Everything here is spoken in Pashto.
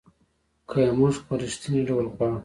که یې موږ په رښتینې ډول غواړو .